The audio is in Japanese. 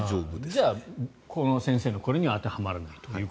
じゃあ先生のこれには当てはまらないと。